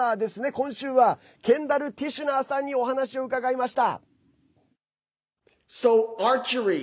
今週はケンダル・ティシュナーさんにお話を聞きました。